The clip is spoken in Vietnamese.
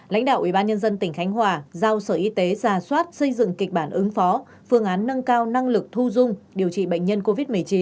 lãnh đạo ubnd tỉnh khánh hòa giao sở y tế ra soát xây dựng kịch bản ứng phó phương án nâng cao năng lực thu dung điều trị bệnh nhân covid một mươi chín